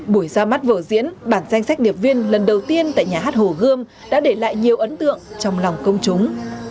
buổi ra mắt vở diễn bản danh sách điệp viên lần đầu tiên tại nhà hát hồ gươm đã để lại nhiều ấn tượng trong lòng công chúng